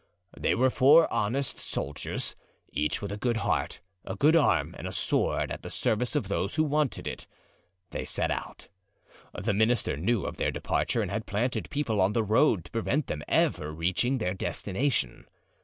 They were four honest soldiers, each with a good heart, a good arm and a sword at the service of those who wanted it. They set out. The minister knew of their departure and had planted people on the road to prevent them ever reaching their destination.